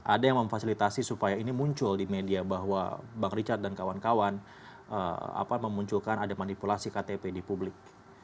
ada yang memfasilitasi supaya ini muncul di media bahwa bang richard dan kawan kawan memunculkan ada manipulasi ktp di publik